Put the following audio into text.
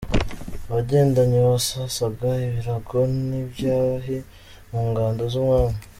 Abagendanyi : Basasaga ibirago n’ibyahi mu ngando z’ Umwami.